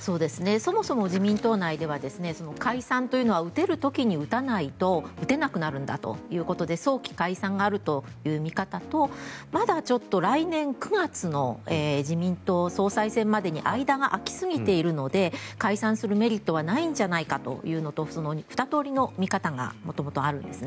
そもそも自民党内では解散というのは打てる時に打たないと打てなくなるんだということで早期解散があるという見方とまだ来年９月の自民党総裁選までに間が空きすぎているので解散するメリットはないんじゃないかというのと２通りの見方が元々あるんです。